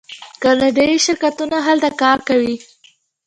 کاناډایی شرکتونه هلته کار کوي.